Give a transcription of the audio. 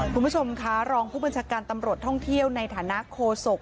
คุณผู้ชมคะรองพิวเตอร์ตำรวจท่องเที่ยวในฐานะโคโศก